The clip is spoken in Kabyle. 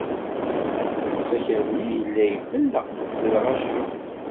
Asakal-nni yella ifelleq d lɣaci.